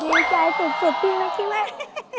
ดีใจสุดพี่นะคิดว่า